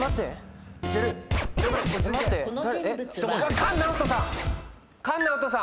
菅直人さん！